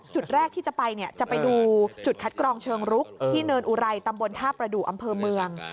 จุดแรกที่จะไปเนี่ยจะไปดูจุดคัดกรองเชิงรุกที่เนินอุไรตำบลท่าประดูกอำเภอเมือง